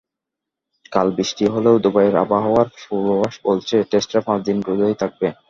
কাল বৃষ্টি হলেও দুবাইয়ের আবহাওয়ার পূর্বাভাস বলছে, টেস্টের পাঁচ দিনই রোদ থাকবে।